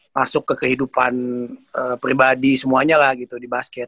masuk ke kehidupan pribadi semuanya lah gitu di basket